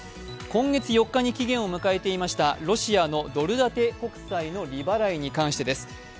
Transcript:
今月４日に期限を迎えていましたロシアのドル建て国債の利払いに関してです。